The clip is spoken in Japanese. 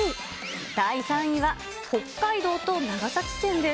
第３位は、北海道と長崎県です。